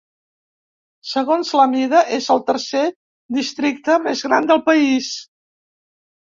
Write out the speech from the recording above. Segons la mida, és el tercer districte més gran del país.